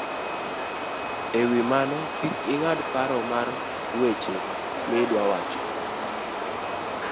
E wi mano, kik ing'ad paro mar weche miduawacho